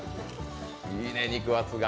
いいね、肉厚が。